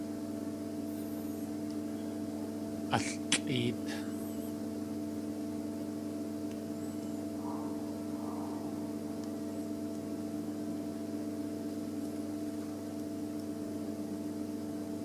Altlʼéet.